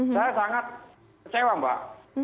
saya sangat kecewa mbak